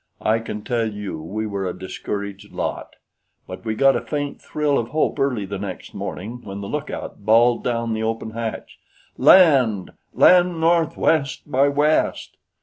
I can tell you we were a discouraged lot; but we got a faint thrill of hope early the next morning when the lookout bawled down the open hatch: "Land! Land northwest by west!"